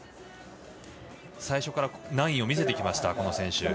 最初から９００を見せてきました。